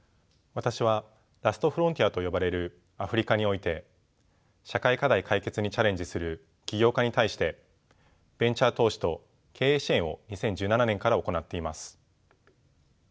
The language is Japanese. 私はラストフロンティアと呼ばれるアフリカにおいて社会課題解決にチャレンジする起業家に対してベンチャー投資と経営支援を２０１７年から行っています。